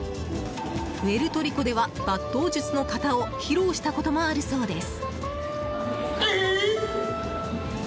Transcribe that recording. プエルトリコでは抜刀術の形を披露したこともあるそうです。